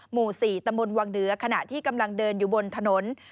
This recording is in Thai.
หมู่๔ตำบลวังเหนือขณะที่กำลังเดินอยู่บนถนน